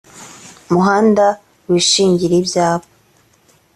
muhanda wishingire ibyapa